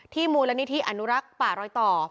มูลนิธิอนุรักษ์ป่ารอยต่อ